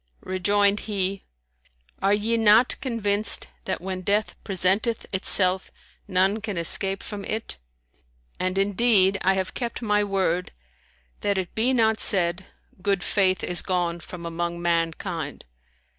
Rejoined he, "Are ye not convinced that when death presenteth itself, none can escape from it? And indeed, I have kept my word, that it be not said, Good faith is gone from among mankind.'